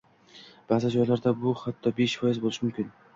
Baʼzi joylarda bu hatto besh foiz boʻlishi mumkin.